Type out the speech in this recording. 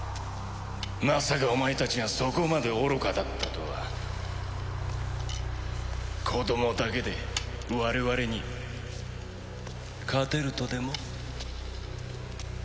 まさかお前たちがそこまで愚かだったとは子供だけで我々に勝てるとでも？